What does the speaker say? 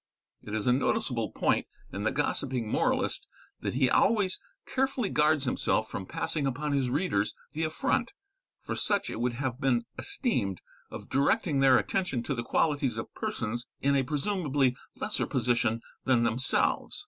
It is a noticeable point in the gossiping moralist that he always carefully guards himself from passing upon his readers the affront, for such it would have been esteemed, of directing their attention to the qualities of persons in a presumably lesser position than themselves.